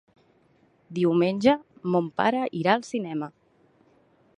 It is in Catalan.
Diumenge mon pare irà al cinema.